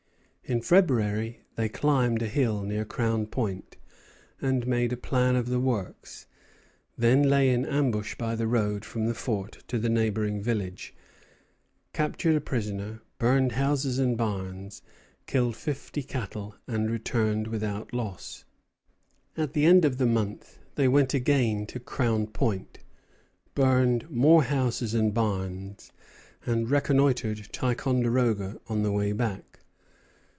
In February they climbed a hill near Crown Point and made a plan of the works; then lay in ambush by the road from the fort to the neighboring village, captured a prisoner, burned houses and barns, killed fifty cattle, and returned without loss. At the end of the month they went again to Crown Point, burned more houses and barns, and reconnoitred Ticonderoga on the way back.